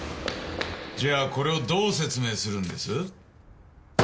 じゃあこれをどう説明するんです？